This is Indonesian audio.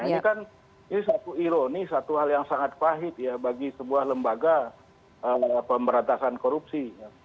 ini kan ini satu ironi satu hal yang sangat pahit ya bagi sebuah lembaga pemberantasan korupsi